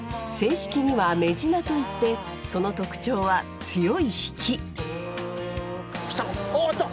正式にはメジナといってその特徴は強い引き！来た！